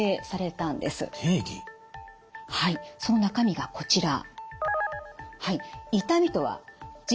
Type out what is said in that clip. はいその中身がこちら。